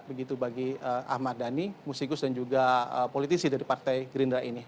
begitu bagi ahmad dhani musikus dan juga politisi dari partai gerindra ini